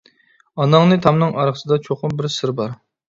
ئاناڭنى. تامنىڭ ئارقىسىدا چوقۇم بىر سىر بار.